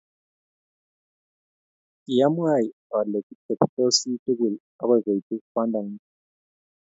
kiamwai ale kitebisoti tugul akoi koitu kwandang'ung